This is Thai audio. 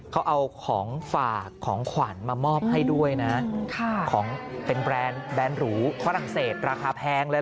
เขาเอาของฝากของขวัญมามอบให้ด้วยนะของเป็นแบรนด์แบรนด์หรูฝรั่งเศสราคาแพงเลย